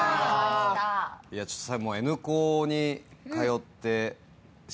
ちょっと最後。